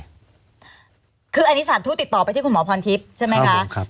ข้ออุตส่งแบบนี้คืออันนี้สหรัฐพุทธติดต่อไปที่หมอพลทิพย์ใช่ไหมคะ